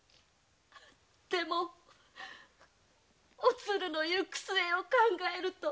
でもおつるの行く末を考えると。